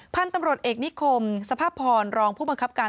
พันธุ์ตำรวจเอกนิคมสภาพพรรองผู้บังคับการ